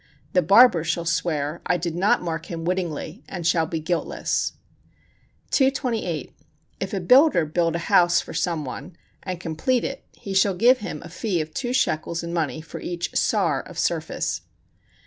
The barber shall swear: "I did not mark him wittingly," and shall be guiltless. 228. If a builder build a house for some one and complete it, he shall give him a fee of two shekels in money for each sar of surface.